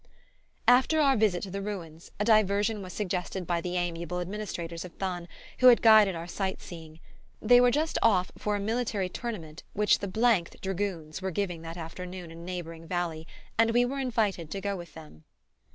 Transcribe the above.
After our visit to the ruins, a diversion was suggested by the amiable administrators of Thann who had guided our sight seeing. They were just off for a military tournament which the th dragoons were giving that afternoon in a neighboring valley, and we were invited to go with them.